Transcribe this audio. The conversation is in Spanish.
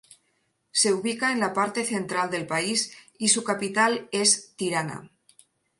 Se ubica en la parte central del país y su capital es Tirana.